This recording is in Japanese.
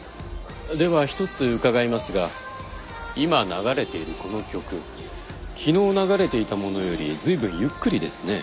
では一つ伺いますが今流れているこの曲昨日流れていたものよりずいぶんゆっくりですね。